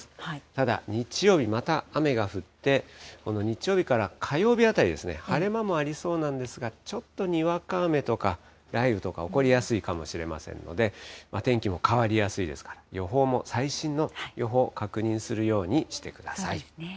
ただ日曜日、また雨が降って、この日曜日から火曜日あたりですね、晴れ間もありそうなんですが、ちょっとにわか雨とか、雷雨とか起こりやすいかもしれませんので、天気も変わりやすいですから、予報も最新の予報を確認するようにしてください。